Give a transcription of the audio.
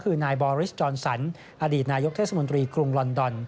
คือนายบอริสจอนสันอดีตนายกเทศมนตรีกรุงลอนดอน